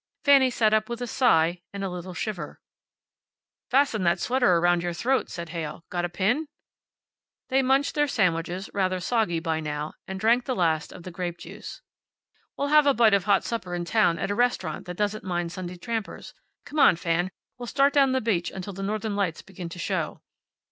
Fanny sat up with a sigh and a little shiver. "Fasten up that sweater around your throat," said Heyl. "Got a pin?" They munched their sandwiches, rather soggy by now, and drank the last of the grape juice. "We'll have a bite of hot supper in town, at a restaurant that doesn't mind Sunday trampers. Come on, Fan. We'll start down the beach until the northern lights begin to show."